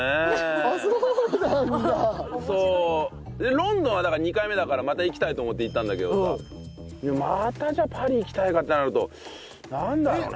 ロンドンはだから２回目だからまた行きたいと思って行ったんだけどさまたじゃあパリ行きたいかってなるとなんだろうね。